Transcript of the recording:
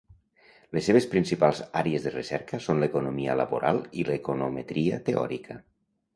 Les seves principals àrees de recerca són l'economia laboral i l'econometria teòrica.